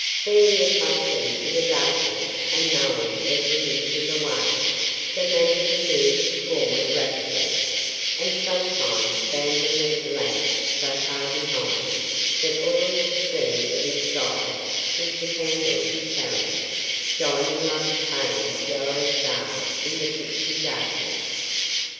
Being accustomed to the darkness and knowing every inch of the way, the manager moved forward rapidly, and sometimes Vandeloup lagged so far behind that all he could see of his guide was the candle he carried, shining like a pale yellow star in the pitchy darkness.